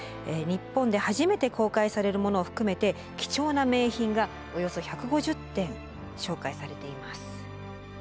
日本で初めて公開されるものを含めて貴重な名品がおよそ１５０点紹介されています。